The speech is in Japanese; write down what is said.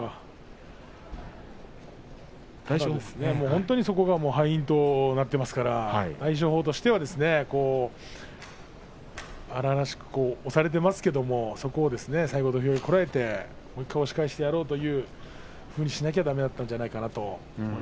本当にそこが敗因となってしまいましたから大翔鵬としては荒々しく押されていますけれどもそこは最後土俵をこらえてもう１回押し返してやろうというふうにしなきゃ、いけなかったんじゃないですかね。